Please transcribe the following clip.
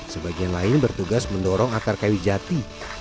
sebagian lain bertugas mendorong akar kayu jati